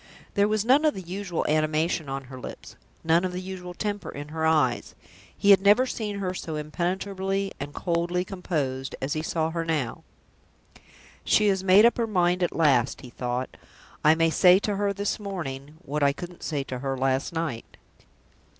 There was none of the usual animation on her lips, none of the usual temper in her eyes. He had never seen her so impenetrably and coldly composed as he saw her now. "She has made up her mind at last," he thought. "I may say to her this morning what I couldn't say to her last night."